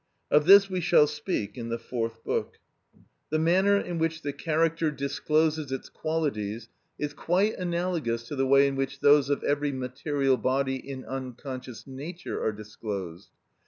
Of this we shall speak in the Fourth Book. The manner in which the character discloses its qualities is quite analogous to the way in which those of every material body in unconscious nature are disclosed.